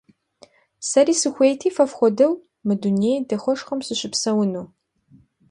Сэри сыхуейти фэ фхуэдэу мы дуней дахэшхуэм сыщыпсэуну.